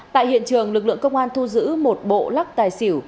tại hiện trường lực lượng công an thu giữ một bộ lắc tài xỉu